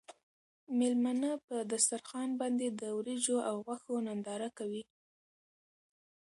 مېلمانه په دسترخوان باندې د وریجو او غوښو ننداره کوي.